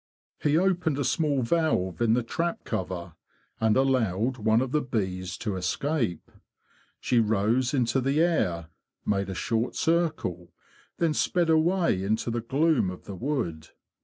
He opened a small valve in the trap cover, and allowed one of the bees to escape. She rose into the air, made a short circle, then sped away into the gloom of the wood.